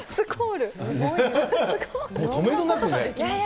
とめどなくね。